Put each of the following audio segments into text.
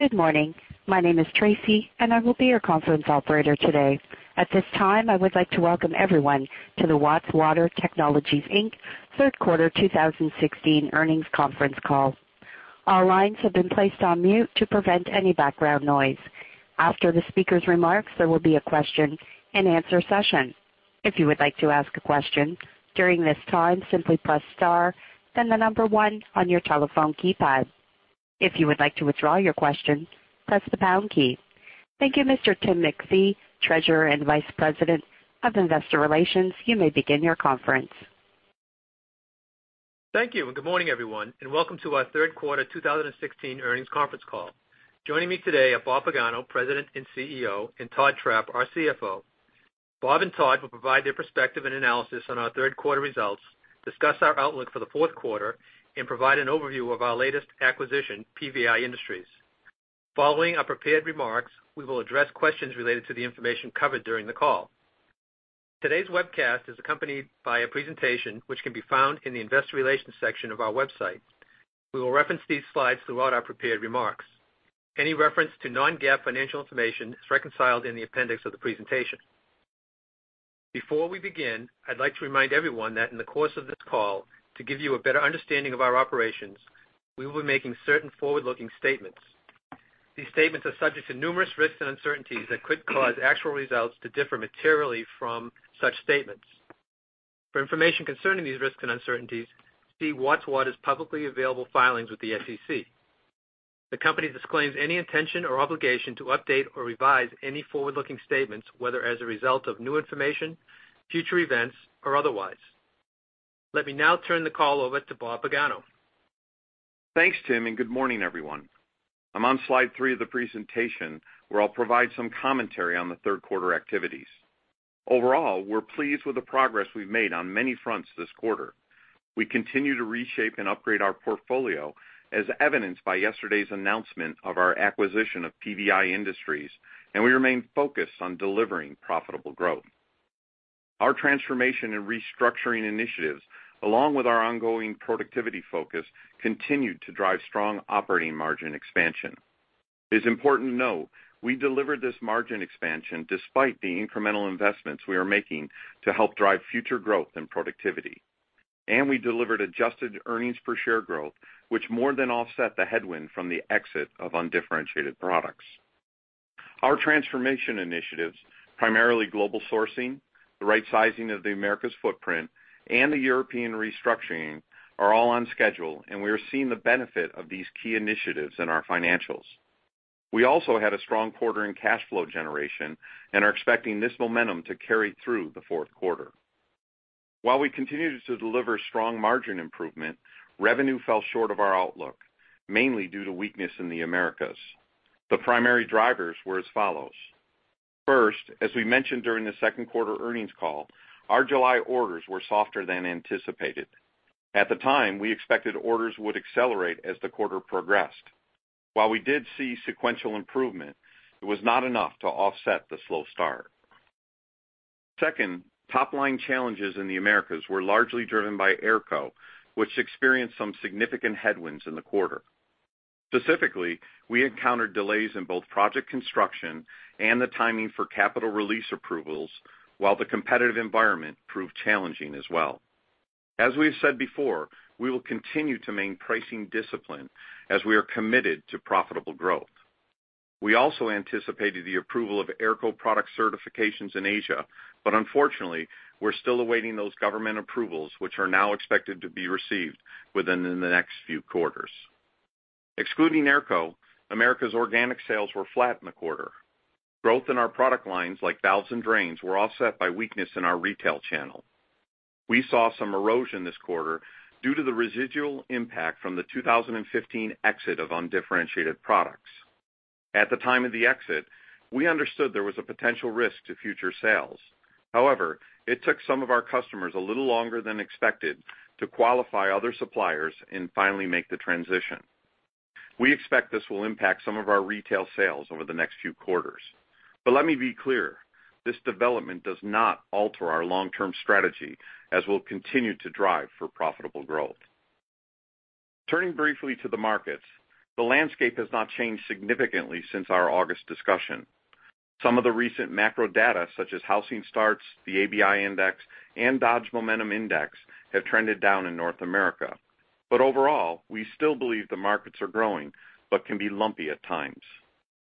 Good morning. My name is Tracy, and I will be your conference operator today. At this time, I would like to welcome everyone to the Watts Water Technologies, Inc. Third Quarter 2016 Earnings Conference Call. All lines have been placed on mute to prevent any background noise. After the speaker's remarks, there will be a question-and-answer session. If you would like to ask a question during this time, simply press star, then the number one on your telephone keypad. If you would like to withdraw your question, press the pound key. Thank you, Mr. Tim MacPhee, Treasurer and Vice President of Investor Relations. You may begin your conference. Thank you, and good morning, everyone, and welcome to our third quarter 2016 earnings conference call. Joining me today are Bob Pagano, President and CEO, and Todd Trapp, our CFO. Bob and Todd will provide their perspective and analysis on our third quarter results, discuss our outlook for the fourth quarter, and provide an overview of our latest acquisition, PVI Industries. Following our prepared remarks, we will address questions related to the information covered during the call. Today's webcast is accompanied by a presentation, which can be found in the Investor Relations section of our website. We will reference these slides throughout our prepared remarks. Any reference to non-GAAP financial information is reconciled in the appendix of the presentation. Before we begin, I'd like to remind everyone that in the course of this call, to give you a better understanding of our operations, we will be making certain forward-looking statements. These statements are subject to numerous risks and uncertainties that could cause actual results to differ materially from such statements. For information concerning these risks and uncertainties, see Watts Water's publicly available filings with the SEC. The company disclaims any intention or obligation to update or revise any forward-looking statements, whether as a result of new information, future events, or otherwise. Let me now turn the call over to Bob Pagano. Thanks, Tim, and good morning, everyone. I'm on slide three of the presentation, where I'll provide some commentary on the third quarter activities. Overall, we're pleased with the progress we've made on many fronts this quarter. We continue to reshape and upgrade our portfolio, as evidenced by yesterday's announcement of our acquisition of PVI Industries, and we remain focused on delivering profitable growth. Our transformation and restructuring initiatives, along with our ongoing productivity focus, continued to drive strong operating margin expansion. It is important to note, we delivered this margin expansion despite the incremental investments we are making to help drive future growth and productivity. And we delivered adjusted earnings per share growth, which more than offset the headwind from the exit of undifferentiated products. Our transformation initiatives, primarily global sourcing, the right sizing of the Americas footprint, and the European restructuring, are all on schedule, and we are seeing the benefit of these key initiatives in our financials. We also had a strong quarter in cash flow generation and are expecting this momentum to carry through the fourth quarter. While we continued to deliver strong margin improvement, revenue fell short of our outlook, mainly due to weakness in the Americas. The primary drivers were as follows: First, as we mentioned during the second quarter earnings call, our July orders were softer than anticipated. At the time, we expected orders would accelerate as the quarter progressed. While we did see sequential improvement, it was not enough to offset the slow start. Second, top-line challenges in the Americas were largely driven by AERCO, which experienced some significant headwinds in the quarter. Specifically, we encountered delays in both project construction and the timing for capital release approvals, while the competitive environment proved challenging as well. As we've said before, we will continue to maintain pricing discipline as we are committed to profitable growth. We also anticipated the approval of AERCO product certifications in Asia, but unfortunately, we're still awaiting those government approvals, which are now expected to be received within the next few quarters. Excluding AERCO, Americas organic sales were flat in the quarter. Growth in our product lines, like valves and drains, were offset by weakness in our retail channel. We saw some erosion this quarter due to the residual impact from the 2015 exit of undifferentiated products. At the time of the exit, we understood there was a potential risk to future sales. However, it took some of our customers a little longer than expected to qualify other suppliers and finally make the transition. We expect this will impact some of our retail sales over the next few quarters. But let me be clear, this development does not alter our long-term strategy, as we'll continue to drive for profitable growth. Turning briefly to the markets. The landscape has not changed significantly since our August discussion. Some of the recent macro data, such as Housing Starts, the ABI Index, and Dodge Momentum Index, have trended down in North America. But overall, we still believe the markets are growing, but can be lumpy at times.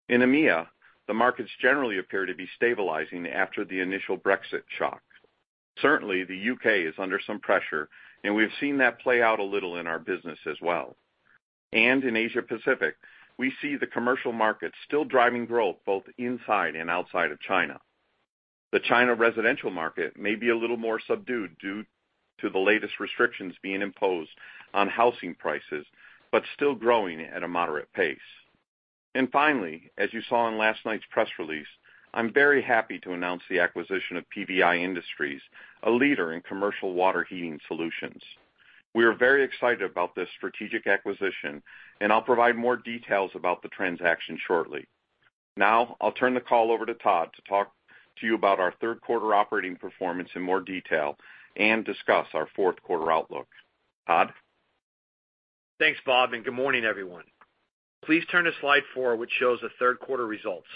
In EMEA, the markets generally appear to be stabilizing after the initial Brexit shock. Certainly, the U.K. is under some pressure, and we've seen that play out a little in our business as well. In Asia Pacific, we see the commercial market still driving growth both inside and outside of China. The China residential market may be a little more subdued due to the latest restrictions being imposed on housing prices, but still growing at a moderate pace. Finally, as you saw in last night's press release, I'm very happy to announce the acquisition of PVI Industries, a leader in commercial water heating solutions. We are very excited about this strategic acquisition, and I'll provide more details about the transaction shortly.... Now, I'll turn the call over to Todd to talk to you about our third quarter operating performance in more detail and discuss our fourth quarter outlook. Todd? Thanks, Bob, and good morning, everyone. Please turn to slide four, which shows the third quarter results.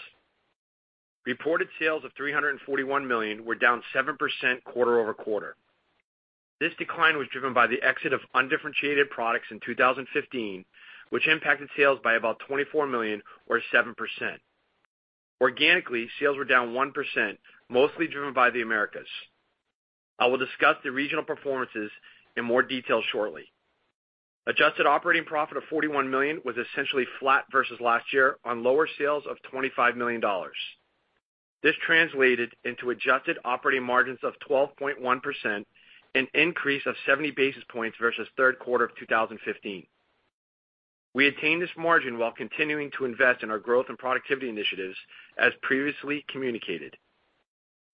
Reported sales of $341 million were down 7% quarter-over-quarter. This decline was driven by the exit of undifferentiated products in 2015, which impacted sales by about $24 million or 7%. Organically, sales were down 1%, mostly driven by the Americas. I will discuss the regional performances in more detail shortly. Adjusted operating profit of $41 million was essentially flat versus last year on lower sales of $25 million. This translated into adjusted operating margins of 12.1%, an increase of 70 basis points versus third quarter of 2015. We attained this margin while continuing to invest in our growth and productivity initiatives, as previously communicated.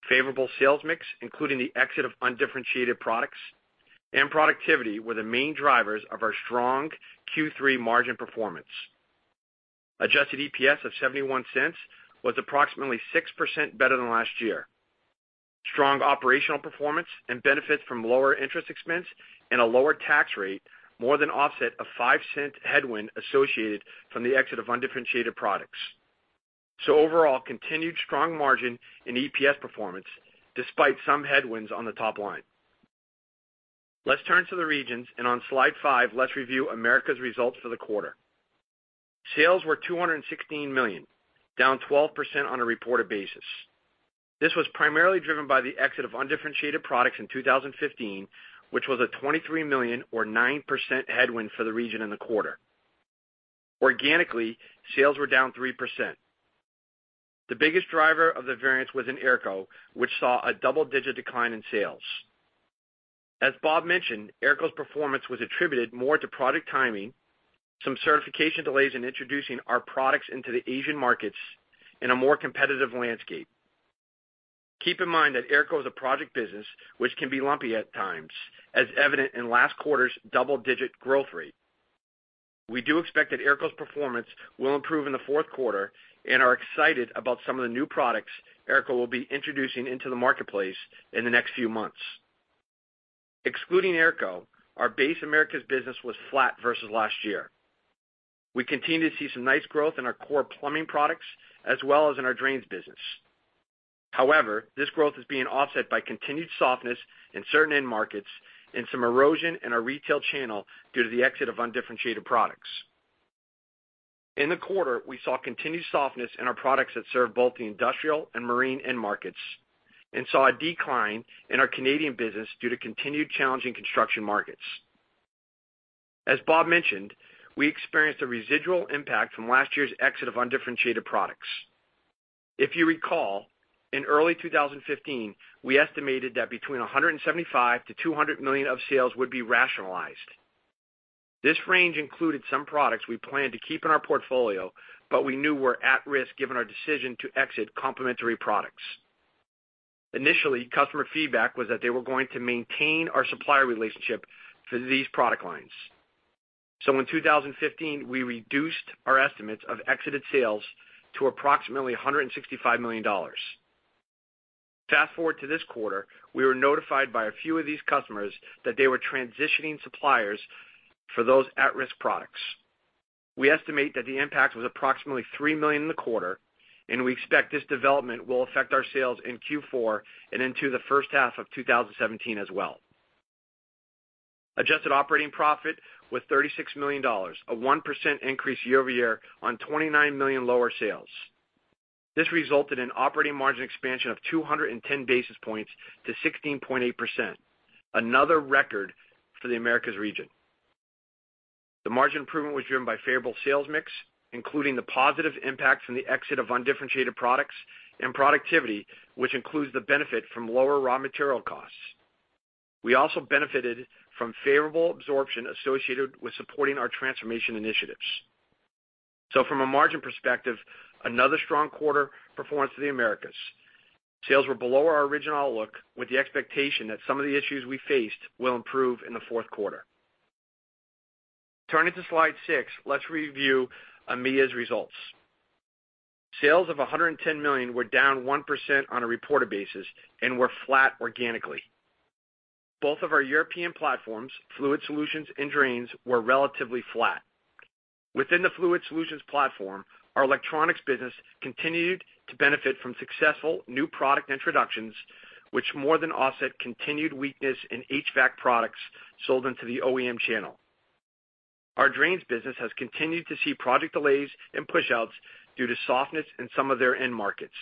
Favorable sales mix, including the exit of undifferentiated products and productivity, were the main drivers of our strong Q3 margin performance. Adjusted EPS of $0.71 was approximately 6% better than last year. Strong operational performance and benefits from lower interest expense and a lower tax rate, more than offset a $0.05 headwind associated from the exit of undifferentiated products. So overall, continued strong margin in EPS performance, despite some headwinds on the top line. Let's turn to the regions, and on slide five, let's review Americas results for the quarter. Sales were $216 million, down 12% on a reported basis. This was primarily driven by the exit of undifferentiated products in 2015, which was a $23 million or 9% headwind for the region in the quarter. Organically, sales were down 3%. The biggest driver of the variance was in AERCO, which saw a double-digit decline in sales. As Bob mentioned, AERCO's performance was attributed more to product timing, some certification delays in introducing our products into the Asian markets, and a more competitive landscape. Keep in mind that AERCO is a project business, which can be lumpy at times, as evident in last quarter's double-digit growth rate. We do expect that AERCO's performance will improve in the fourth quarter and are excited about some of the new products AERCO will be introducing into the marketplace in the next few months. Excluding AERCO, our base Americas business was flat versus last year. We continue to see some nice growth in our core plumbing products as well as in our drains business. However, this growth is being offset by continued softness in certain end markets and some erosion in our retail channel due to the exit of undifferentiated products. In the quarter, we saw continued softness in our products that serve both the industrial and marine end markets, and saw a decline in our Canadian business due to continued challenging construction markets. As Bob mentioned, we experienced a residual impact from last year's exit of undifferentiated products. If you recall, in early 2015, we estimated that between $175-$200 million of sales would be rationalized. This range included some products we planned to keep in our portfolio, but we knew were at risk, given our decision to exit complementary products. Initially, customer feedback was that they were going to maintain our supplier relationship for these product lines. So in 2015, we reduced our estimates of exited sales to approximately $165 million. Fast forward to this quarter, we were notified by a few of these customers that they were transitioning suppliers for those at-risk products. We estimate that the impact was approximately $3 million in the quarter, and we expect this development will affect our sales in Q4 and into the first half of 2017 as well. Adjusted operating profit with $36 million, a 1% increase year-over-year on $29 million lower sales. This resulted in operating margin expansion of 210 basis points to 16.8%, another record for the Americas region. The margin improvement was driven by favorable sales mix, including the positive impact from the exit of undifferentiated products and productivity, which includes the benefit from lower raw material costs. We also benefited from favorable absorption associated with supporting our transformation initiatives. So from a margin perspective, another strong quarter performance of the Americas. Sales were below our original outlook, with the expectation that some of the issues we faced will improve in the fourth quarter. Turning to slide six, let's review EMEA's results. Sales of $110 million were down 1% on a reported basis and were flat organically. Both of our European platforms, fluid solutions and drains, were relatively flat. Within the fluid solutions platform, our electronics business continued to benefit from successful new product introductions, which more than offset continued weakness in HVAC products sold into the OEM channel. Our drains business has continued to see product delays and pushouts due to softness in some of their end markets.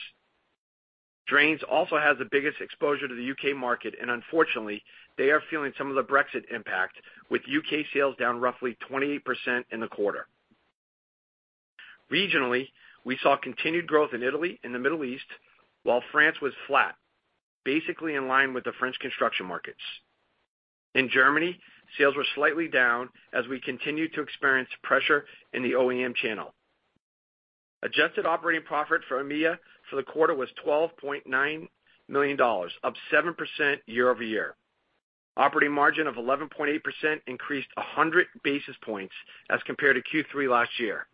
Drains also has the biggest exposure to the U.K. market, and unfortunately, they are feeling some of the Brexit impact, with U.K. sales down roughly 28% in the quarter. Regionally, we saw continued growth in Italy and the Middle East, while France was flat, basically in line with the French construction markets. In Germany, sales were slightly down as we continued to experience pressure in the OEM channel. Adjusted operating profit for EMEA for the quarter was $12.9 million, up 7% year-over-year. Operating margin of 11.8% increased 100 basis points as compared to Q3 last year.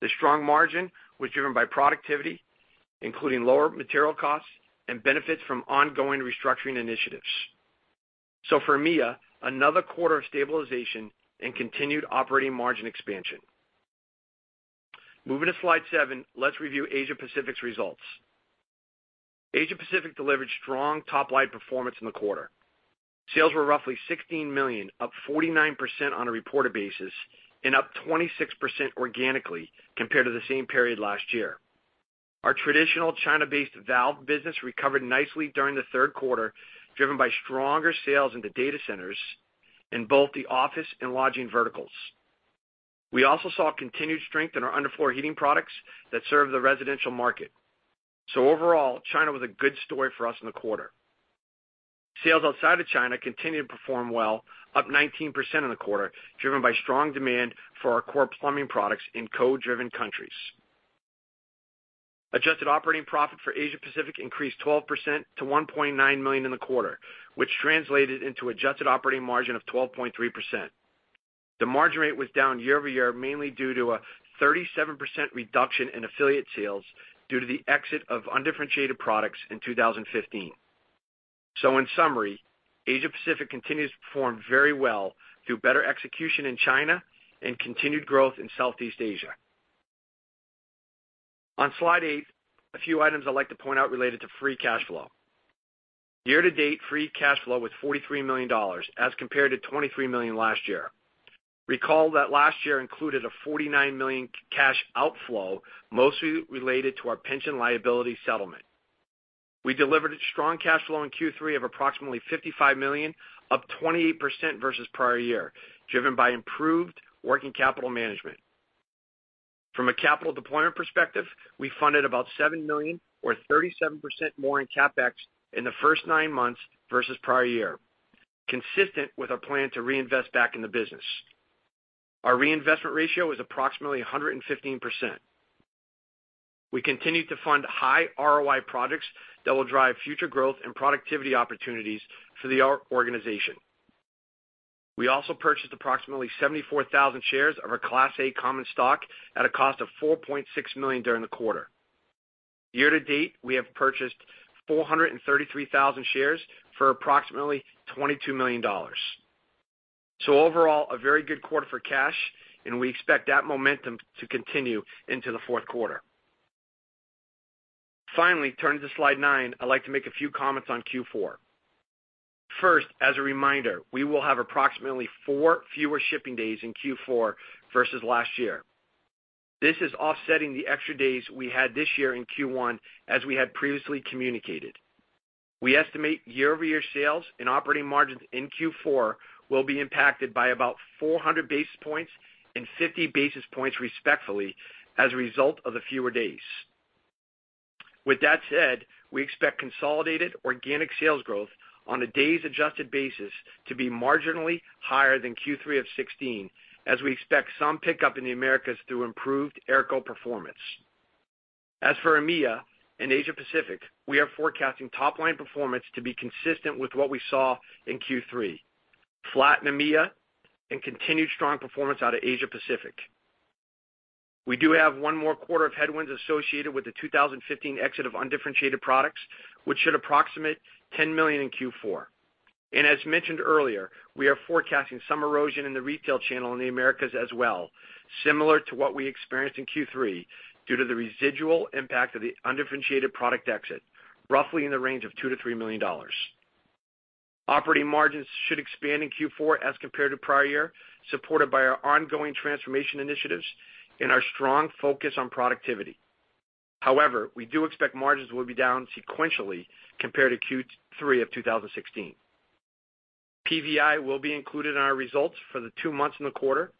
The strong margin was driven by productivity, including lower material costs and benefits from ongoing restructuring initiatives. So for EMEA, another quarter of stabilization and continued operating margin expansion. Moving to slide seven, let's review Asia Pacific's results. Asia Pacific delivered strong top-line performance in the quarter. Sales were roughly $16 million, up 49% on a reported basis and up 26% organically compared to the same period last year. Our traditional China-based valve business recovered nicely during the third quarter, driven by stronger sales into data centers in both the office and lodging verticals. We also saw continued strength in our underfloor heating products that serve the residential market. So overall, China was a good story for us in the quarter. Sales outside of China continued to perform well, up 19% in the quarter, driven by strong demand for our core plumbing products in code-driven countries. Adjusted operating profit for Asia Pacific increased 12% to $1.9 million in the quarter, which translated into adjusted operating margin of 12.3%. The margin rate was down year-over-year, mainly due to a 37% reduction in affiliate sales due to the exit of undifferentiated products in 2015. So in summary, Asia Pacific continues to perform very well through better execution in China and continued growth in Southeast Asia. On slide eight, a few items I'd like to point out related to free cash flow. Year-to-date, free cash flow was $43 million, as compared to $23 million last year. Recall that last year included a $49 million cash outflow, mostly related to our pension liability settlement. We delivered a strong cash flow in Q3 of approximately $55 million, up 28% versus prior year, driven by improved working capital management. From a capital deployment perspective, we funded about $7 million or 37% more in CapEx in the first nine months versus prior year, consistent with our plan to reinvest back in the business. Our reinvestment ratio is approximately 115%. We continue to fund high ROI projects that will drive future growth and productivity opportunities for the, our organization. We also purchased approximately 74,000 shares of our Class A common stock at a cost of $4.6 million during the quarter. Year to date, we have purchased 433,000 shares for approximately $22 million. So overall, a very good quarter for cash, and we expect that momentum to continue into the fourth quarter. Finally, turning to slide nine, I'd like to make a few comments on Q4. First, as a reminder, we will have approximately four fewer shipping days in Q4 versus last year. This is offsetting the extra days we had this year in Q1, as we had previously communicated. We estimate year-over-year sales and operating margins in Q4 will be impacted by about 400 basis points and 50 basis points, respectively, as a result of the fewer days. With that said, we expect consolidated organic sales growth on a days adjusted basis to be marginally higher than Q3 of 2016, as we expect some pickup in the Americas through improved AERCO performance. As for EMEA and Asia Pacific, we are forecasting top line performance to be consistent with what we saw in Q3, flat in EMEA and continued strong performance out of Asia Pacific. We do have one more quarter of headwinds associated with the 2015 exit of undifferentiated products, which should approximate $10 million in Q4. As mentioned earlier, we are forecasting some erosion in the retail channel in the Americas as well, similar to what we experienced in Q3, due to the residual impact of the undifferentiated product exit, roughly in the range of $2-$3 million. Operating margins should expand in Q4 as compared to prior year, supported by our ongoing transformation initiatives and our strong focus on productivity. However, we do expect margins will be down sequentially compared to Q3 of 2016. PVI will be included in our results for the two months in the quarter.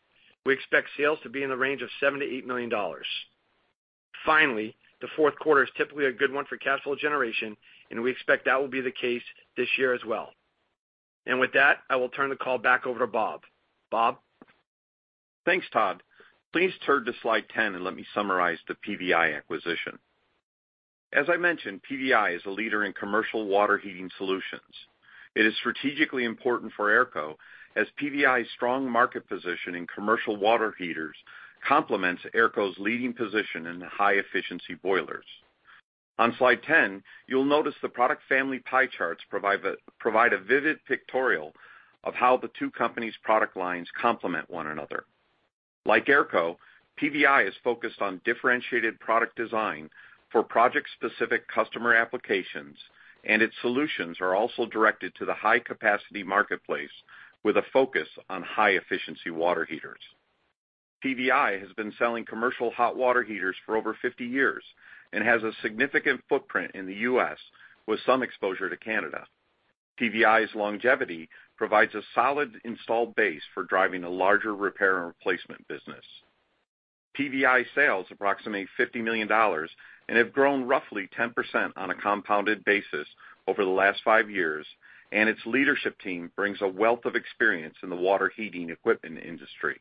We expect sales to be in the range of $7-$8 million. Finally, the fourth quarter is typically a good one for cash flow generation, and we expect that will be the case this year as well. And with that, I will turn the call back over to Bob. Bob? Thanks, Todd. Please turn to slide 10, and let me summarize the PVI acquisition. As I mentioned, PVI is a leader in commercial water heating solutions. It is strategically important for AERCO, as PVI's strong market position in commercial water heaters complements AERCO's leading position in high-efficiency boilers. On slide 10, you'll notice the product family pie charts provide a vivid pictorial of how the two companies' product lines complement one another. Like AERCO, PVI is focused on differentiated product design for project-specific customer applications, and its solutions are also directed to the high-capacity marketplace with a focus on high-efficiency water heaters. PVI has been selling commercial hot water heaters for over 50 years and has a significant footprint in the U.S., with some exposure to Canada. PVI's longevity provides a solid installed base for driving a larger repair and replacement business. PVI sales approximate $50 million and have grown roughly 10% on a compounded basis over the last five years, and its leadership team brings a wealth of experience in the water heating equipment industry.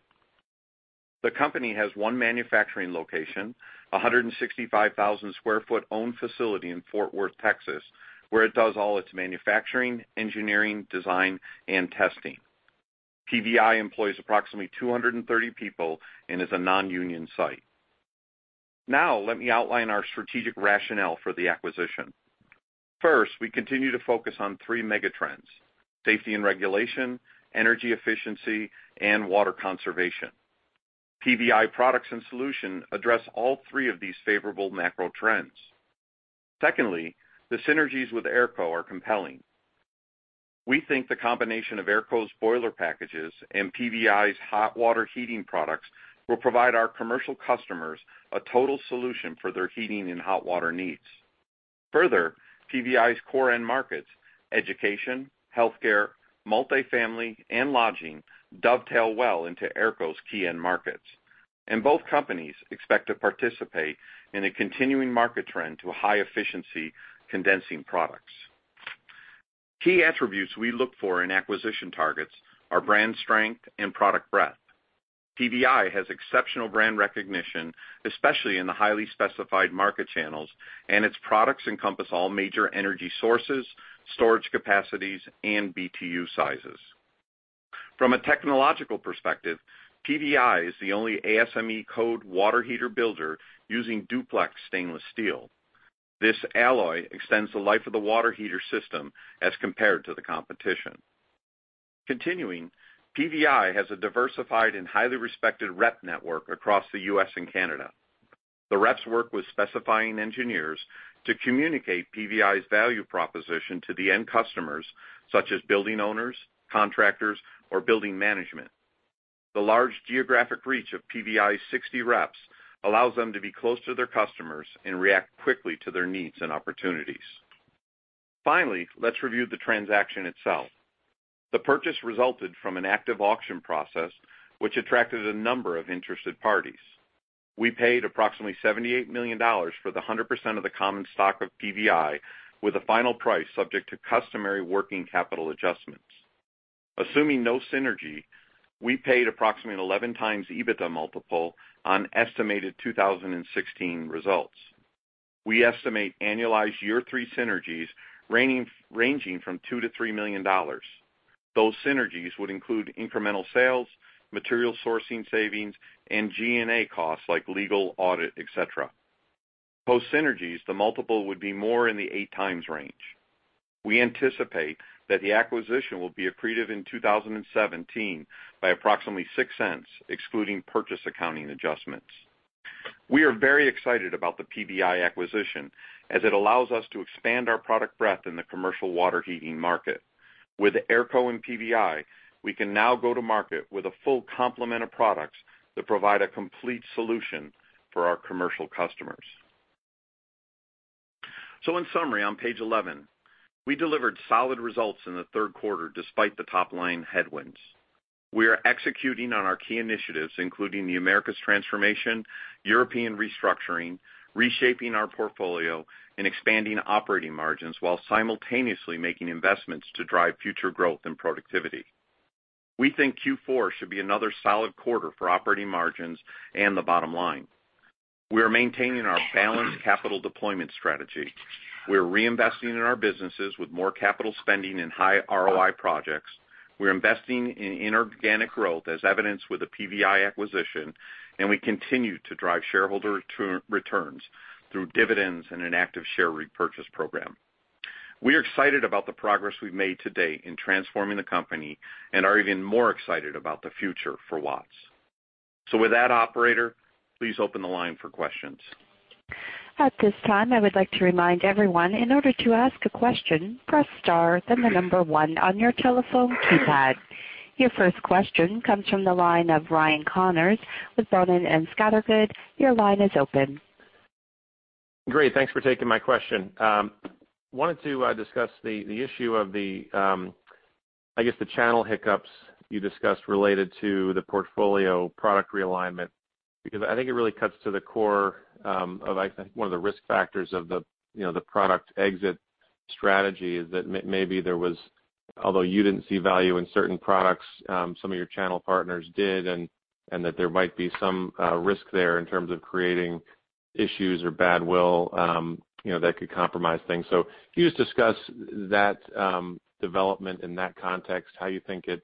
The company has one manufacturing location, a 165,000 sq ft owned facility in Fort Worth, Texas, where it does all its manufacturing, engineering, design, and testing. PVI employs approximately 230 people and is a non-union site. Now let me outline our strategic rationale for the acquisition. First, we continue to focus on three megatrends: safety and regulation, energy efficiency, and water conservation. PVI products and solution address all three of these favorable macro trends. Secondly, the synergies with AERCO are compelling. We think the combination of AERCO's boiler packages and PVI's hot water heating products will provide our commercial customers a total solution for their heating and hot water needs. Further, PVI's core end markets, education, healthcare, multifamily, and lodging, dovetail well into AERCO's key end markets, and both companies expect to participate in a continuing market trend to high-efficiency condensing products. Key attributes we look for in acquisition targets are brand strength and product breadth. PVI has exceptional brand recognition, especially in the highly specified market channels, and its products encompass all major energy sources, storage capacities, and BTU sizes. From a technological perspective, PVI is the only ASME code water heater builder using duplex stainless steel. This alloy extends the life of the water heater system as compared to the competition. Continuing, PVI has a diversified and highly respected rep network across the U.S. and Canada. The reps work with specifying engineers to communicate PVI's value proposition to the end customers, such as building owners, contractors, or building management. The large geographic reach of PVI's 60 reps allows them to be close to their customers and react quickly to their needs and opportunities. Finally, let's review the transaction itself. The purchase resulted from an active auction process, which attracted a number of interested parties. We paid approximately $78 million for the 100% of the common stock of PVI, with a final price subject to customary working capital adjustments. Assuming no synergy, we paid approximately 11x EBITDA multiple on estimated 2016 results. We estimate annualized year three synergies ranging from $2 million-$3 million. Those synergies would include incremental sales, material sourcing savings, and G&A costs, like legal, audit, et cetera. Post synergies, the multiple would be more in the 8x range. We anticipate that the acquisition will be accretive in 2017 by approximately $0.06, excluding purchase accounting adjustments. We are very excited about the PVI acquisition as it allows us to expand our product breadth in the commercial water heating market. With AERCO and PVI, we can now go to market with a full complement of products that provide a complete solution for our commercial customers. So in summary, on page 11, we delivered solid results in the third quarter despite the top-line headwinds. We are executing on our key initiatives, including the Americas transformation, European restructuring, reshaping our portfolio, and expanding operating margins while simultaneously making investments to drive future growth and productivity. We think Q4 should be another solid quarter for operating margins and the bottom line. We are maintaining our balanced capital deployment strategy. We're reinvesting in our businesses with more capital spending and high ROI projects. We're investing in inorganic growth as evidenced with the PVI acquisition, and we continue to drive shareholder returns through dividends and an active share repurchase program. We are excited about the progress we've made to date in transforming the company and are even more excited about the future for Watts. With that, operator, please open the line for questions. At this time, I would like to remind everyone, in order to ask a question, press star, then the number one on your telephone keypad. Your first question comes from the line of Ryan Connors with Boenning & Scattergood. Your line is open. Great, thanks for taking my question. Wanted to discuss the issue of the, I guess, the channel hiccups you discussed related to the portfolio product realignment, because I think it really cuts to the core of, I think, one of the risk factors of the, you know, the product exit strategy is that maybe there was, although you didn't see value in certain products, some of your channel partners did, and that there might be some risk there in terms of creating issues or bad will, you know, that could compromise things. So can you just discuss that development in that context, how you think it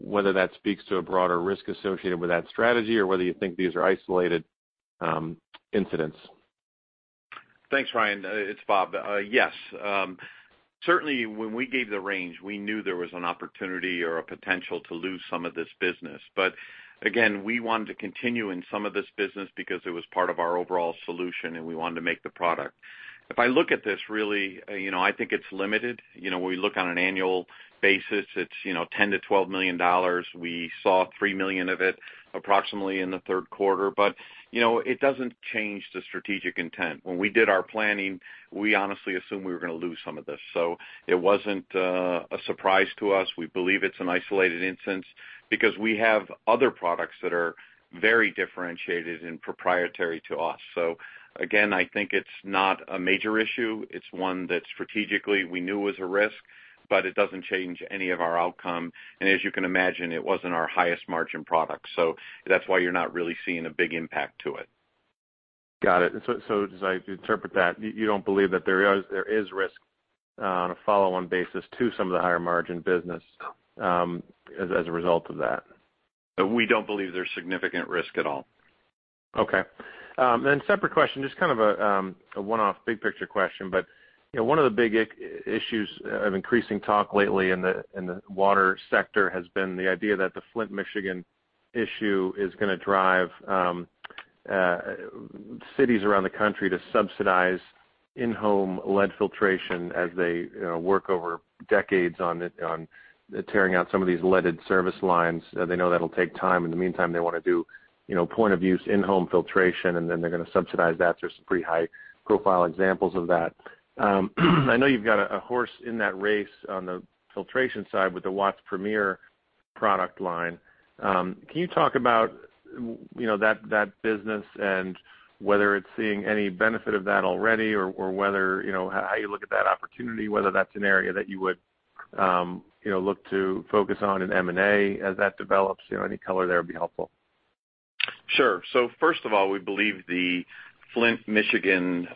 whether that speaks to a broader risk associated with that strategy, or whether you think these are isolated incidents? Thanks, Ryan. It's Bob. Yes, certainly, when we gave the range, we knew there was an opportunity or a potential to lose some of this business. But again, we wanted to continue in some of this business because it was part of our overall solution, and we wanted to make the product. If I look at this, really, you know, I think it's limited. You know, when we look on an annual basis, it's, you know, $10-$12 million. We saw $3 million of it approximately in the third quarter, but, you know, it doesn't change the strategic intent. When we did our planning, we honestly assumed we were going to lose some of this, so it wasn't a surprise to us. We believe it's an isolated instance because we have other products that are very differentiated and proprietary to us. Again, I think it's not a major issue. It's one that strategically we knew was a risk, but it doesn't change any of our outcome. As you can imagine, it wasn't our highest margin product, so that's why you're not really seeing a big impact to it. Got it. So as I interpret that, you don't believe that there is risk on a follow-on basis to some of the higher margin business, as a result of that? We don't believe there's significant risk at all. Okay. Then separate question, just kind of a one-off big picture question. But, you know, one of the big issues of increasing talk lately in the water sector has been the idea that the Flint, Michigan, issue is gonna drive cities around the country to subsidize in-home lead filtration as they, you know, work over decades on it, on tearing out some of these leaded service lines. They know that'll take time. In the meantime, they wanna do, you know, point of use, in-home filtration, and then they're gonna subsidize that. There's some pretty high-profile examples of that. I know you've got a horse in that race on the filtration side with the Watts Premier product line. Can you talk about, you know, that, that business and whether it's seeing any benefit of that already, or, or whether, you know, how you look at that opportunity, whether that's an area that you would, you know, look to focus on in M&A as that develops? You know, any color there would be helpful. Sure. So first of all, we believe the Flint, Michigan,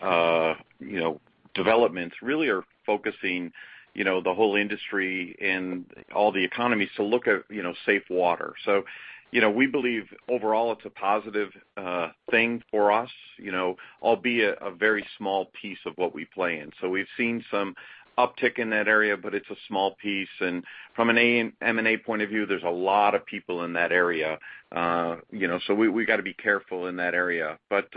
you know, developments really are focusing, you know, the whole industry and all the economies to look at, you know, safe water. So, you know, we believe overall it's a positive, thing for us, you know, albeit a very small piece of what we play in. So we've seen some uptick in that area, but it's a small piece, and from an M&A point of view, there's a lot of people in that area. You know, so we, we gotta be careful in that area. But,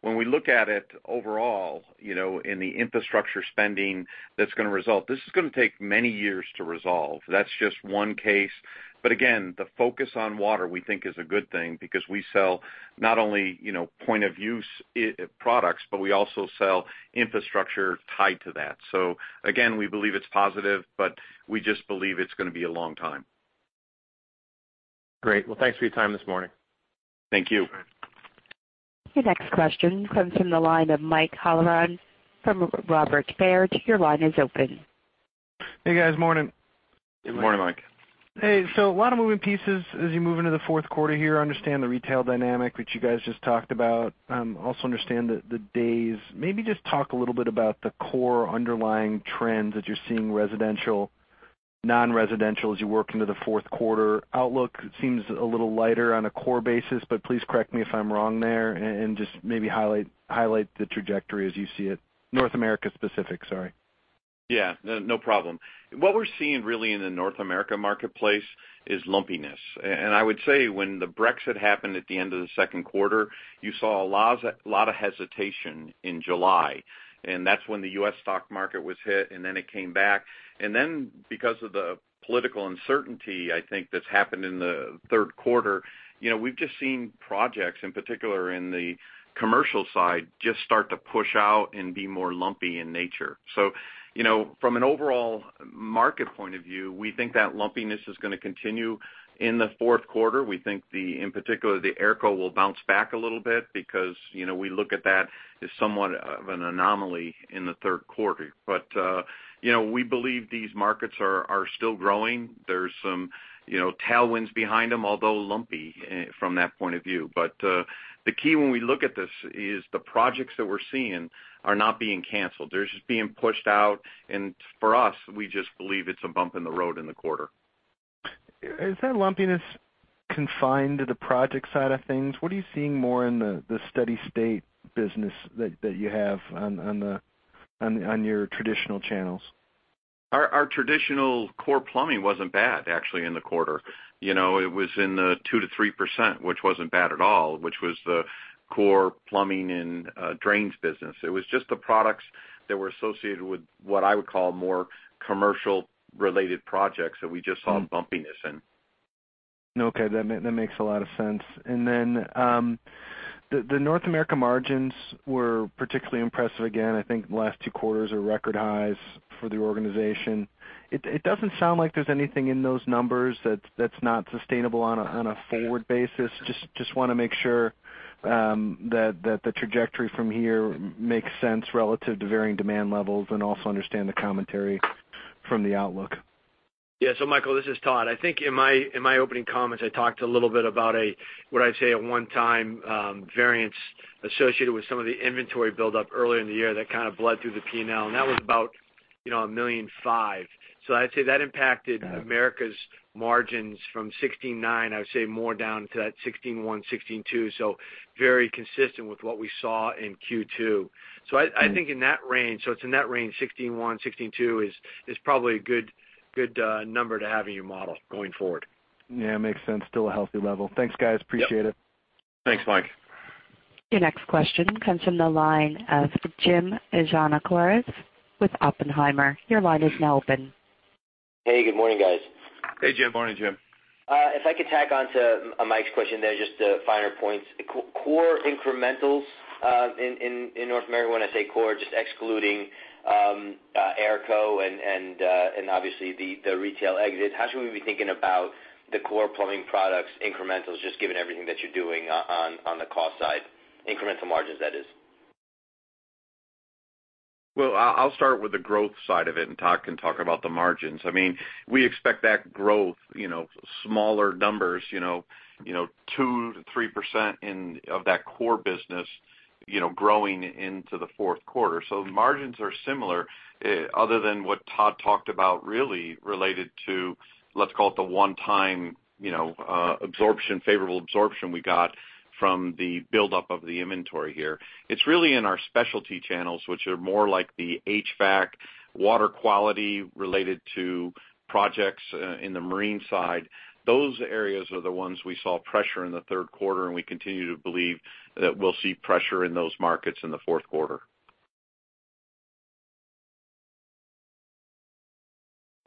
when we look at it overall, you know, in the infrastructure spending, that's gonna result. This is gonna take many years to resolve. That's just one case. But again, the focus on water, we think, is a good thing because we sell not only, you know, point-of-use products, but we also sell infrastructure tied to that. So again, we believe it's positive, but we just believe it's gonna be a long time. Great. Well, thanks for your time this morning. Thank you. Your next question comes from the line of Mike Halloran from Robert Baird. Your line is open. Hey, guys, morning. Good morning, Mike. Hey, so a lot of moving pieces as you move into the fourth quarter here. I understand the retail dynamic, which you guys just talked about. Also understand the days. Maybe just talk a little bit about the core underlying trends that you're seeing, residential, non-residential, as you work into the fourth quarter. Outlook seems a little lighter on a core basis, but please correct me if I'm wrong there, and just maybe highlight the trajectory as you see it. North America specific, sorry. Yeah, no, no problem. What we're seeing really in the North America marketplace is lumpiness. And I would say when the Brexit happened at the end of the second quarter, you saw a lot of hesitation in July, and that's when the U.S. stock market was hit, and then it came back. And then, because of the political uncertainty, I think that's happened in the third quarter, you know, we've just seen projects, in particular in the commercial side, just start to push out and be more lumpy in nature. So, you know, from an overall market point of view, we think that lumpiness is gonna continue in the fourth quarter. We think the, in particular, the AERCO will bounce back a little bit because, you know, we look at that as somewhat of an anomaly in the third quarter. But, you know, we believe these markets are still growing. There's some, you know, tailwinds behind them, although lumpy, from that point of view. But, the key when we look at this is the projects that we're seeing are not being canceled. They're just being pushed out, and for us, we just believe it's a bump in the road in the quarter. Is that lumpiness confined to the project side of things? What are you seeing more in the steady state business that you have on your traditional channels? Our traditional core plumbing wasn't bad, actually, in the quarter. You know, it was in the 2%-3%, which wasn't bad at all, which was the core plumbing and drains business. It was just the products that were associated with what I would call more commercial-related projects that we just saw lumpiness in. Okay, that makes a lot of sense. And then, the North America margins were particularly impressive again. I think the last two quarters are record highs for the organization. It doesn't sound like there's anything in those numbers that's not sustainable on a forward basis. Just wanna make sure that the trajectory from here makes sense relative to varying demand levels, and also understand the commentary from the outlook. Yeah. So Michael, this is Todd. I think in my, in my opening comments, I talked a little bit about a, what I'd say, a one-time variance associated with some of the inventory buildup earlier in the year that kind of bled through the P&L, and that was about, you know, $1.5 million. So I'd say that impacted Americas margins from 69, I would say more down to that 61-62, so very consistent with what we saw in Q2. So I, I think in that range, so it's in that range, 61-62 is, is probably a good, good number to have in your model going forward. Yeah, makes sense. Still a healthy level. Thanks, guys. Appreciate it. Thanks, Mike. Your next question comes from the line of Jim Giannakouros with Oppenheimer. Your line is now open. Hey, good morning, guys. Hey, Jim. Morning, Jim. If I could tag on to Mike's question there, just finer points. Core incrementals in North America, when I say core, just excluding AERCO and obviously the retail exit, how should we be thinking about the core plumbing products incrementals, just given everything that you're doing on the cost side? Incremental margins, that is. Well, I'll start with the growth side of it and talk, and talk about the margins. I mean, we expect that growth, you know, smaller numbers, you know, you know, 2%-3% in, of that core business, you know, growing into the fourth quarter. So the margins are similar, other than what Todd talked about really related to, let's call it the one time, you know, absorption, favorable absorption we got from the buildup of the inventory here. It's really in our specialty channels, which are more like the HVAC, water quality related to projects, in the marine side. Those areas are the ones we saw pressure in the third quarter, and we continue to believe that we'll see pressure in those markets in the fourth quarter.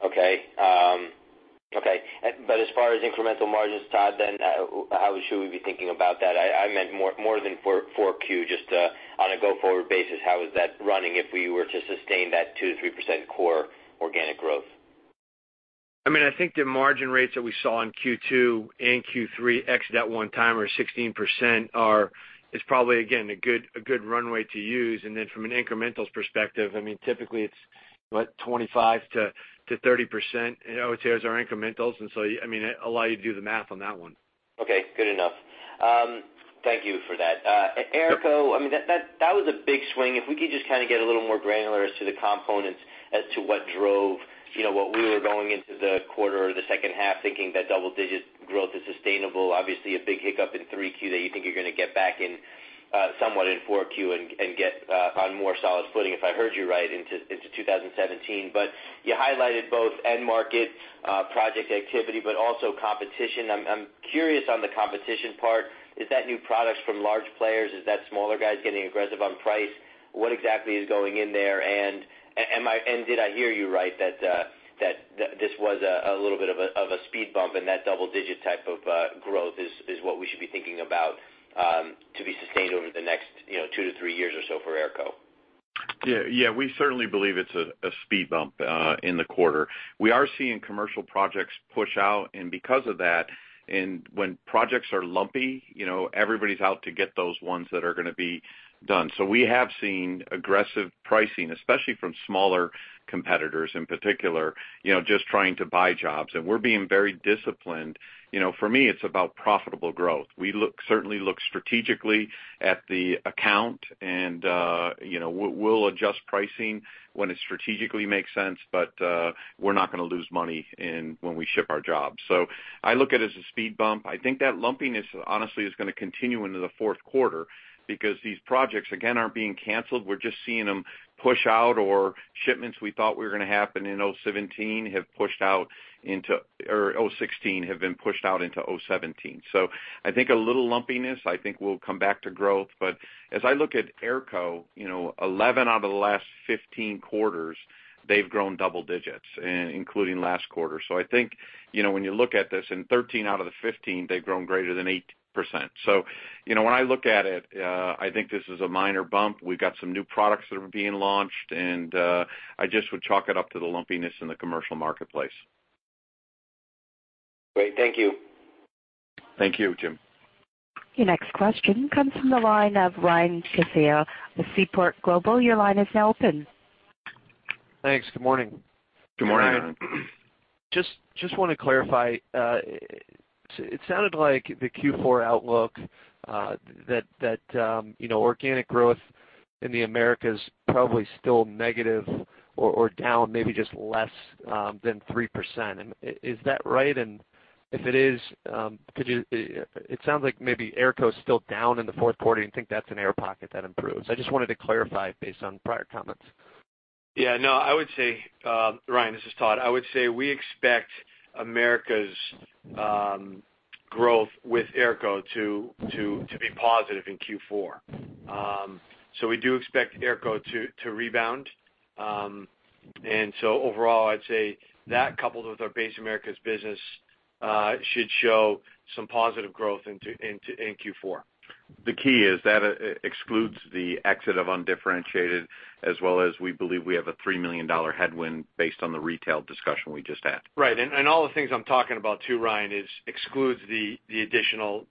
Okay. Okay. But as far as incremental margins, Todd, then, how should we be thinking about that? I, I meant more, more than for 4Q. Just, on a go-forward basis, how is that running if we were to sustain that 2%-3% core organic growth? I mean, I think the margin rates that we saw in Q2 and Q3, ex that one-timer, 16%—it's probably, again, a good, a good runway to use. And then from an incrementals perspective, I mean, typically, it's what? 25%-30%, you know, I would say is our incrementals, and so, I mean, I'll allow you to do the math on that one. Okay, good enough. Thank you for that. AERCO, I mean, that, that, that was a big swing. If we could just kind of get a little more granular as to the components as to what drove, you know, what we were going into the quarter or the second half, thinking that double-digit growth is sustainable. Obviously, a big hiccup in 3Q that you think you're gonna get back in, somewhat in 4Q and get on more solid footing, if I heard you right, into 2017. But you highlighted both end markets, project activity, but also competition. I'm curious on the competition part: Is that new products from large players? Is that smaller guys getting aggressive on price? What exactly is going in there? Did I hear you right that this was a little bit of a speed bump and that double-digit type of growth is what we should be thinking about to be sustained over the next, you know, two to three years or so for AERCO? Yeah, yeah, we certainly believe it's a speed bump in the quarter. We are seeing commercial projects push out, and because of that, and when projects are lumpy, you know, everybody's out to get those ones that are gonna be done. So we have seen aggressive pricing, especially from smaller competitors in particular, you know, just trying to buy jobs. And we're being very disciplined. You know, for me, it's about profitable growth. We certainly look strategically at the account, and, you know, we'll adjust pricing when it strategically makes sense, but we're not gonna lose money when we ship our jobs. So I look at it as a speed bump. I think that lumpiness, honestly, is gonna continue into the fourth quarter because these projects, again, aren't being canceled. We're just seeing them push out or shipments we thought were gonna happen in 2017 have pushed out into or 2016, have been pushed out into 2017. So I think a little lumpiness, I think we'll come back to growth. But as I look at AERCO, you know, 11 out of the last 15 quarters, they've grown double digits, including last quarter. So I think, you know, when you look at this, in 13 out of the 15, they've grown greater than 8%. So, you know, when I look at it, I think this is a minor bump. We've got some new products that are being launched, and, I just would chalk it up to the lumpiness in the commercial marketplace. Great. Thank you. Thank you, Jim. Your next question comes from the line of Ryan Cassil with Seaport Global. Your line is now open. Thanks. Good morning. Good morning, Ryan. Good morning. Just want to clarify, it sounded like the Q4 outlook, that you know, organic growth in the Americas is probably still negative or down, maybe just less than 3%. Is that right? And if it is, could you, it sounds like maybe AERCO is still down in the fourth quarter. You think that's an air pocket that improves? I just wanted to clarify based on prior comments. Yeah, no, I would say, Ryan, this is Todd. I would say we expect Americas growth with AERCO to be positive in Q4. So we do expect AERCO to rebound. And so overall, I'd say that coupled with our base Americas business should show some positive growth in Q4. The key is that excludes the exit of undifferentiated, as well as we believe we have a $3 million headwind based on the retail discussion we just had. Right. And all the things I'm talking about too, Ryan, is excludes the additional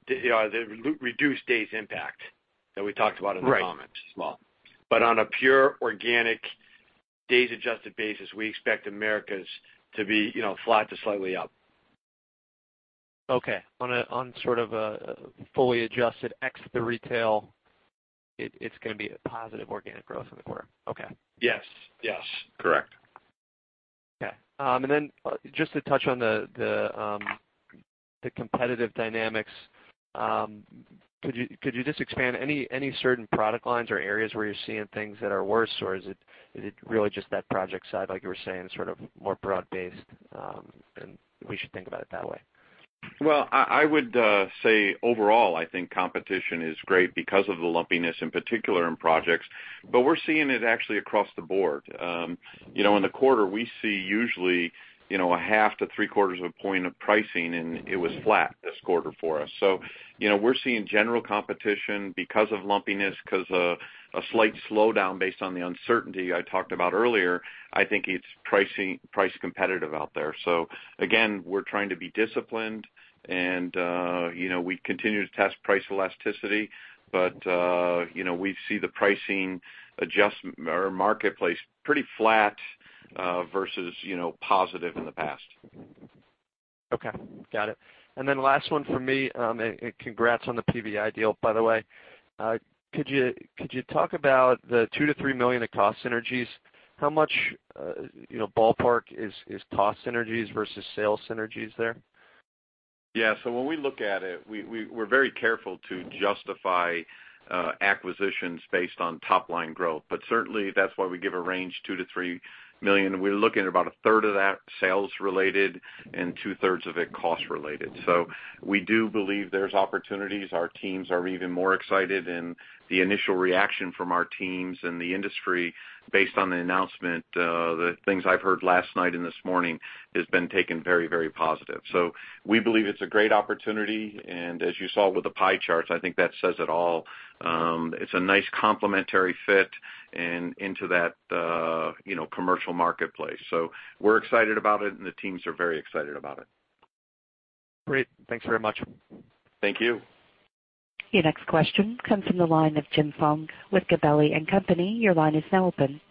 reduced days impact that we talked about in the comments as well. Right. On a pure organic days-adjusted basis, we expect Americas to be, you know, flat to slightly up. Okay. On sort of a fully adjusted ex the retail, it's gonna be a positive organic growth in the quarter. Okay. Yes, yes. Correct. Okay. And then just to touch on the competitive dynamics, could you just expand any certain product lines or areas where you're seeing things that are worse? Or is it really just that project side, like you were saying, sort of more broad-based, and we should think about it that way? Well, I would say overall, I think competition is great because of the lumpiness, in particular in projects, but we're seeing it actually across the board. You know, in the quarter, we see usually, you know, 0.5-0.75 points of pricing, and it was flat this quarter for us. So, you know, we're seeing general competition because of lumpiness, 'cause of a slight slowdown based on the uncertainty I talked about earlier. I think it's price competitive out there. So again, we're trying to be disciplined, and, you know, we continue to test price elasticity, but, you know, we see the pricing or marketplace pretty flat, versus, you know, positive in the past. Okay, got it. And then last one from me, and congrats on the PVI deal, by the way. Could you talk about the $2 million-$3 million in cost synergies? How much, you know, ballpark is cost synergies versus sales synergies there? Yeah. So when we look at it, we, we're very careful to justify acquisitions based on top line growth. But certainly, that's why we give a range, $2 million-$3 million, and we're looking at about a 1/3 of that sales related and 2/3 of it cost related. So we do believe there's opportunities. Our teams are even more excited, and the initial reaction from our teams and the industry based on the announcement, the things I've heard last night and this morning, has been taken very, very positive. So we believe it's a great opportunity, and as you saw with the pie charts, I think that says it all. It's a nice complementary fit and into that, you know, commercial marketplace. So we're excited about it, and the teams are very excited about it. Great. Thanks very much. Thank you. Your next question comes from the line of Jose Garza with Gabelli & Company. Your line is now open.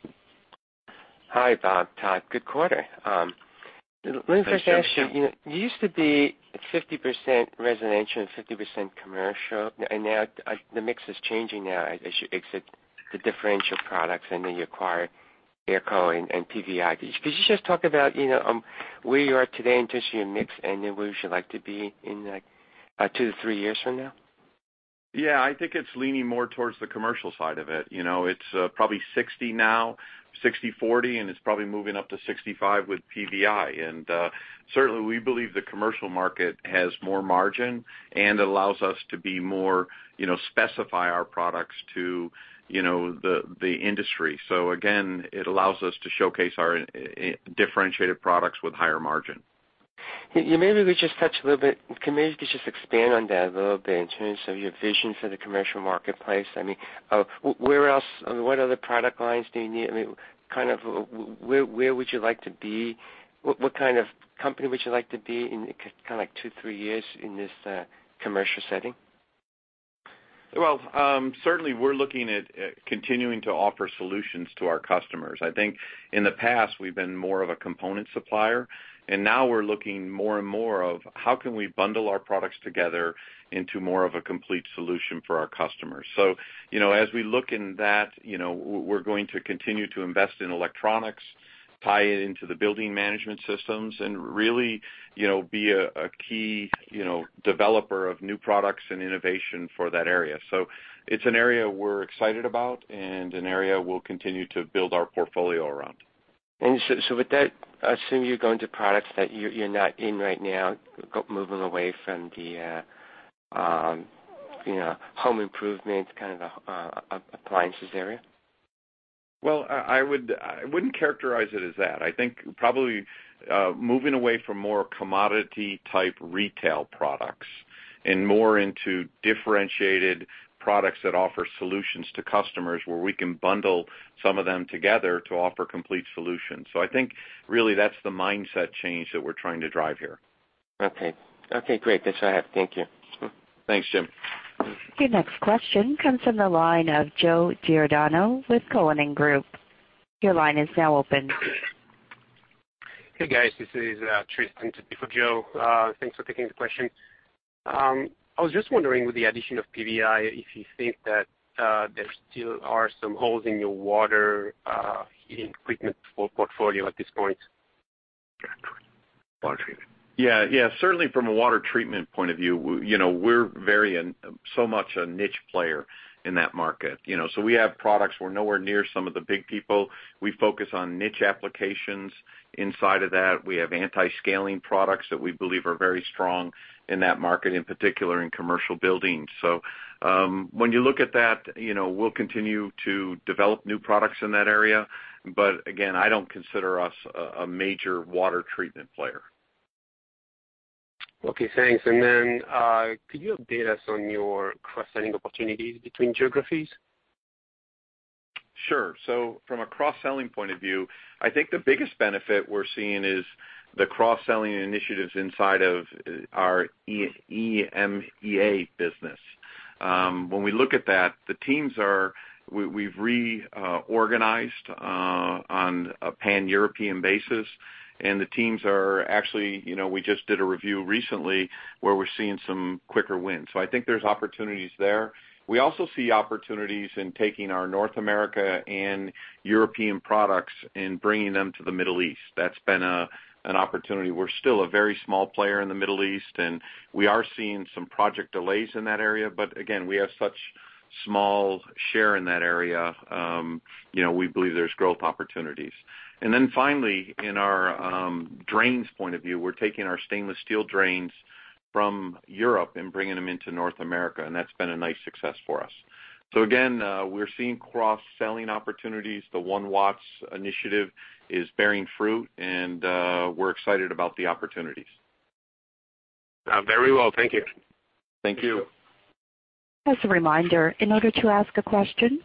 Hi, Bob, Todd. Good quarter. Let me first ask you, you used to be 50% residential and 50% commercial, and now the mix is changing now as you exit the undifferentiated products and then you acquire AERCO and, and PVI. Could you just talk about, you know, where you are today in terms of your mix and then where you'd like to be in, like, two to three years from now? Yeah, I think it's leaning more towards the commercial side of it. You know, it's, probably 60 now, 60/40, and it's probably moving up to 65 with PVI. And, certainly we believe the commercial market has more margin and allows us to be more, you know, specify our products to, you know, the industry. So again, it allows us to showcase our differentiated products with higher margin. Maybe we just touch a little bit. Can maybe just expand on that a little bit in terms of your vision for the commercial marketplace? I mean, where else, what other product lines do you need? I mean, kind of, where, where would you like to be? What, what kind of company would you like to be in kind of like two, three years in this commercial setting? Well, certainly we're looking at continuing to offer solutions to our customers. I think in the past, we've been more of a component supplier, and now we're looking more and more at how we can bundle our products together into more of a complete solution for our customers. So, you know, as we look at that, you know, we're going to continue to invest in electronics, tie it into the building management systems, and really, you know, be a key, you know, developer of new products and innovation for that area. So it's an area we're excited about and an area we'll continue to build our portfolio around. And so, with that, I assume you're going to products that you're not in right now, moving away from the, you know, home improvement, kind of, appliances area? Well, I wouldn't characterize it as that. I think probably moving away from more commodity-type retail products and more into differentiated products that offer solutions to customers, where we can bundle some of them together to offer complete solutions. So I think really that's the mindset change that we're trying to drive here. Okay. Okay, great. That's all I have. Thank you. Thanks, Jim. Your next question comes from the line of Joe Giordano with Cowen and Company. Your line is now open. Hey, guys, this is Tristan in for Joe. Thanks for taking the question. I was just wondering, with the addition of PVI, if you think that there still are some holes in your water heating equipment portfolio at this point? Water treatment. Yeah. Yeah, certainly from a water treatment point of view, you know, we're very much a niche player in that market. You know, so we have products. We're nowhere near some of the big people. We focus on niche applications. Inside of that, we have anti-scaling products that we believe are very strong in that market, in particular in commercial buildings. So, when you look at that, you know, we'll continue to develop new products in that area. But again, I don't consider us a major water treatment player. Okay, thanks. And then, could you update us on your cross-selling opportunities between geographies? Sure. So from a cross-selling point of view, I think the biggest benefit we're seeing is the cross-selling initiatives inside of our EMEA business. When we look at that, the teams are, we've reorganized on a Pan-European basis, and the teams are actually, you know, we just did a review recently where we're seeing some quicker wins. So I think there's opportunities there. We also see opportunities in taking our North America and European products and bringing them to the Middle East. That's been a, an opportunity. We're still a very small player in the Middle East, and we are seeing some project delays in that area. But again, we have such small share in that area, you know, we believe there's growth opportunities. And then finally, in our drains point of view, we're taking our stainless steel drains from Europe and bringing them into North America, and that's been a nice success for us. So again, we're seeing cross-selling opportunities. The One Watts Initiative is bearing fruit, and we're excited about the opportunities. Very well. Thank you. Thank you. As a reminder, in order to ask a question,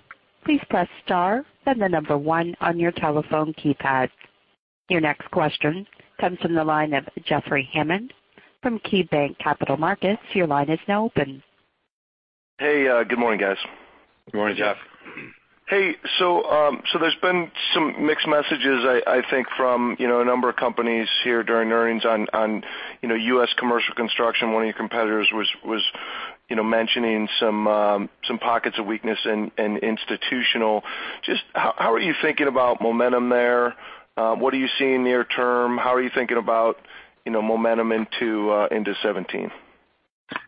please press star, then the number one on your telephone keypad. Your next question comes from the line of Jeffrey Hammond from KeyBanc Capital Markets. Your line is now open. Hey, good morning, guys. Good morning, Jeff. Hey, so there's been some mixed messages I think from, you know, a number of companies here during earnings on, on, you know, U.S. commercial construction. One of your competitors was, you know, mentioning some pockets of weakness in institutional. Just how are you thinking about momentum there? What are you seeing near term? How are you thinking about, you know, momentum into 2017?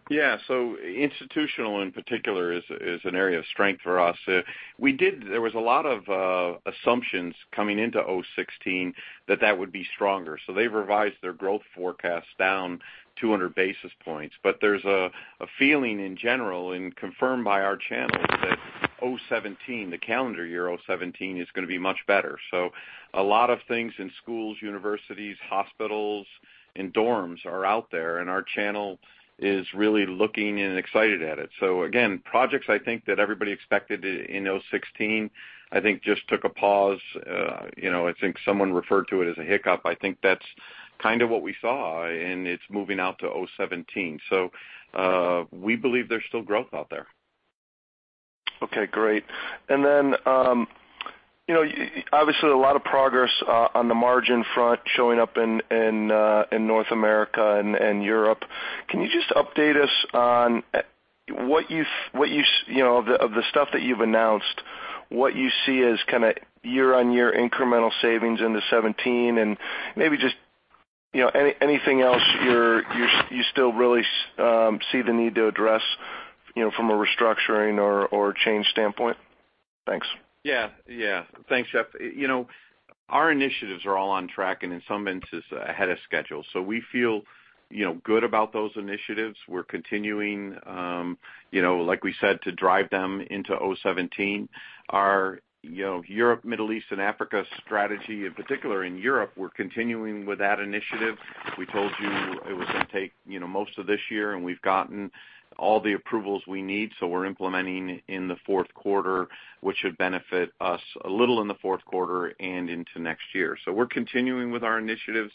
Yeah, so institutional, in particular, is an area of strength for us. There was a lot of assumptions coming into 2016 that that would be stronger. So they've revised their growth forecast down 200 basis points. But there's a feeling in general, and confirmed by our channel, that 2017, the calendar year 2017, is gonna be much better. So a lot of things in schools, universities, hospitals, and dorms are out there, and our channel is really looking and excited at it. So again, projects, I think, that everybody expected in 2016, I think, just took a pause. You know, I think someone referred to it as a hiccup. I think that's kind of what we saw, and it's moving out to 2017. We believe there's still growth out there. Okay, great. And then, you know, obviously, a lot of progress on the margin front showing up in North America and Europe. Can you just update us on what you know of the stuff that you've announced, what you see as kinda year-on-year incremental savings into 2017, and maybe just, you know, anything else you still really see the need to address, you know, from a restructuring or change standpoint? Thanks. Yeah. Yeah. Thanks, Jeff. You know, our initiatives are all on track and in some instances, ahead of schedule. So we feel, you know, good about those initiatives. We're continuing, you know, like we said, to drive them into 2017. Our, you know, Europe, Middle East, and Africa strategy, in particular in Europe, we're continuing with that initiative. We told you it was gonna take, you know, most of this year, and we've gotten all the approvals we need, so we're implementing in the fourth quarter, which should benefit us a little in the fourth quarter and into next year. So we're continuing with our initiatives.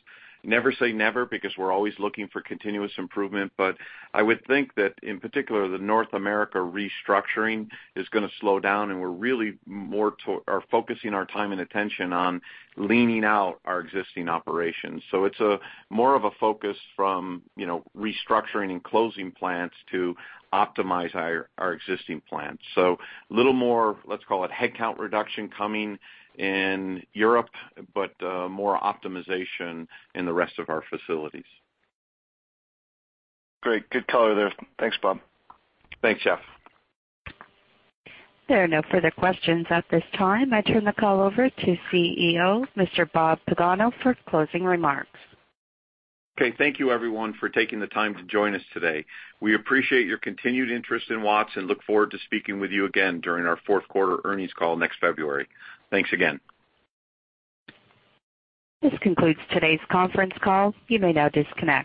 Never say never, because we're always looking for continuous improvement. But I would think that, in particular, the North America restructuring is gonna slow down, and we're really more to... Are focusing our time and attention on leaning out our existing operations. So it's a more of a focus from, you know, restructuring and closing plants to optimize our existing plants. So a little more, let's call it, headcount reduction coming in Europe, but more optimization in the rest of our facilities. Great. Good color there. Thanks, Bob. Thanks, Jeff. There are no further questions at this time. I turn the call over to CEO, Mr. Bob Pagano, for closing remarks. Okay, thank you, everyone, for taking the time to join us today. We appreciate your continued interest in Watts and look forward to speaking with you again during our fourth quarter earnings call next February. Thanks again. This concludes today's conference call. You may now disconnect.